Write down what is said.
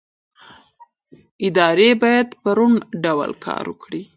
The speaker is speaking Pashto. ادارې باید په روڼ ډول کار وکړي